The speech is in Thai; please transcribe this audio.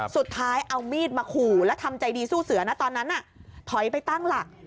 สุดท้ายเอามีดมาขู่แล้วทำใจดีสู้เสือนะตอนนั้นน่ะถอยไปตั้งหลัก